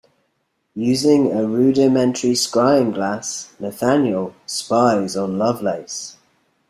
Using a rudimentary scrying glass Nathaniel spies on Lovelace.